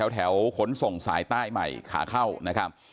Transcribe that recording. ขนส่งสายใต้ใหม่ขาเข้านะครับ